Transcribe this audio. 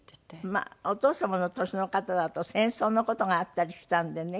まあお父様の年の方だと戦争の事があったりしたんでね。